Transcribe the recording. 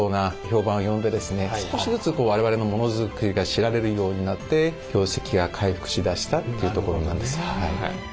少しずつ我々のモノづくりが知られるようになって業績が回復しだしたというところなんです。